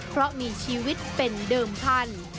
เพราะมีชีวิตเป็นเดิมพันธุ์